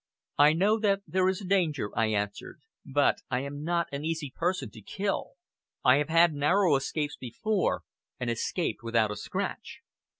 "I know that there is danger," I answered; "but I am not an easy person to kill. I have had narrow escapes before, and escaped without a scratch."